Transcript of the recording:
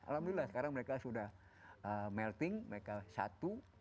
alhamdulillah sekarang mereka sudah melting mereka satu